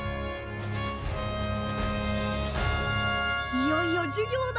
いよいよ授業だ！